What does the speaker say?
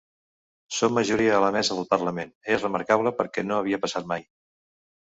Som majoria a la mesa del parlament; és remarcable perquè no havia passat mai.